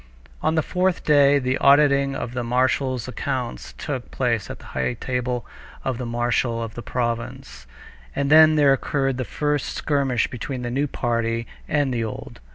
On the fourth day the auditing of the marshal's accounts took place at the high table of the marshal of the province. And then there occurred the first skirmish between the new party and the old.